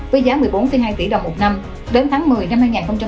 với giá một mươi bốn hai tỷ đồng một năm đến tháng một mươi năm hai nghìn hai mươi